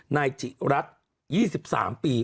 นายจิรัติอายุ๒๓ปี